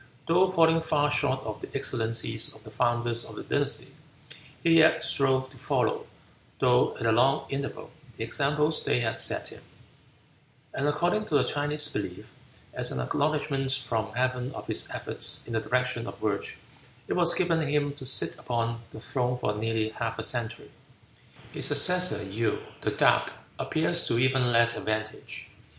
Though falling far short of the excellencies of the founders of the dynasty, he yet strove to follow, though at a long interval, the examples they had set him; and according to the Chinese belief, as an acknowledgment from Heaven of his efforts in the direction of virtue, it was given him to sit upon the throne for nearly half a century. His successor, Yew, "the Dark," appears to even less advantage.